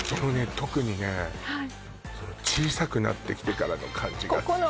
特にね小さくなってきてからの感じ好き